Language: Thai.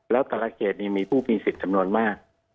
แล้วแต่ละเขตนี้มีผู้มีสิทธิ์จำนวนมาก